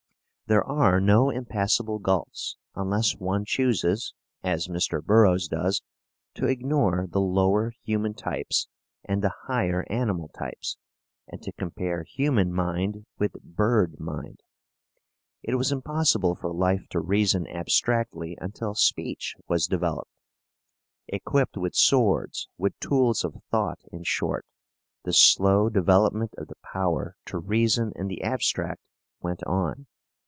There are no impassable gulfs, unless one chooses, as Mr. Burroughs does, to ignore the lower human types and the higher animal types, and to compare human mind with bird mind. It was impossible for life to reason abstractly until speech was developed. Equipped with swords, with tools of thought, in short, the slow development of the power to reason in the abstract went on.